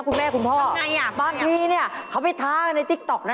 คุณแม่คุณพ่อบ้างนี่นี่เขาไปท้าในติ๊กต๊อกน่ะ